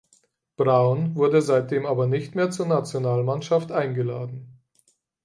Brown wurde seitdem aber nicht mehr zur Nationalmannschaft eingeladen.